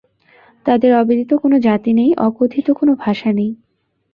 তাদের অবিদিত কোন জাতি নেই, অকথিত কোন ভাষা নাই।